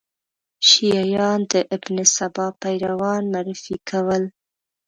شیعیان د ابن سبا پیروان معرفي کول.